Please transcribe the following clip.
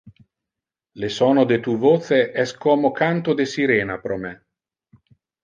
Le sono de tu voce es como canto de sirena pro me.